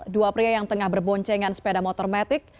dua pria yang tengah berboncengan sepeda motor metik